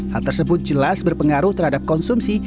hal tersebut jelas berpengaruh terhadap konsumsi